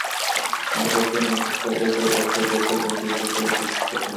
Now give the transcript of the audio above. আমাদের আছে পর্যাপ্ত দক্ষ ও অদক্ষ জনশক্তি এবং প্রচুর পরিমাণে কৃষিজ কাঁচামাল।